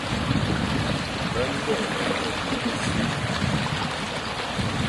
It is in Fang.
Be ndôghe lôr ôsṽi,